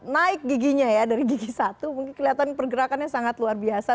naik giginya ya dari gigi satu mungkin kelihatan pergerakannya sangat luar biasa